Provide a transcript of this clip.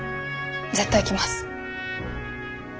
絶対来ます。